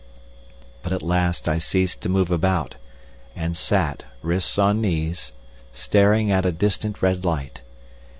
But at last I ceased to move about, and sat, wrists on knees, staring at a distant red light.